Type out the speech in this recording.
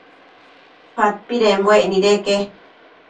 Padpidembuec nideque